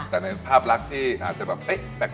แต่ในภาพลักษณ์ที่อาจจะแบบแปลก